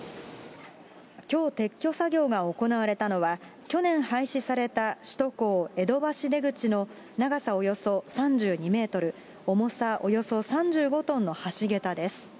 きょう、撤去作業が行われたのは、去年廃止された首都高江戸橋出口の長さおよそ３２メートル、重さおよそ３５トンの橋桁です。